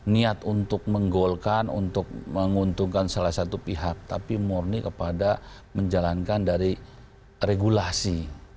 niat untuk menggolkan untuk menguntungkan salah satu pihak tapi murni kepada menjalankan dari regulasi